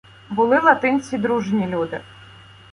Були латинці дружні люди